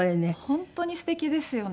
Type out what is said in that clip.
本当にすてきですよね。